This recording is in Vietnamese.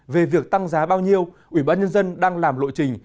về việc tăng giá bao nhiêu ủy ban nhân dân đang làm lộ trình